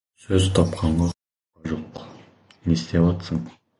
Сөз тапқанға қолқа жоқ.